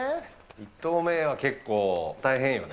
１投目は結構、大変よね。